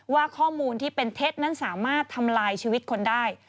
ว่าข้อมูลที่เป็นเท็จนั้นสามารถทำลายชีวิตคนได้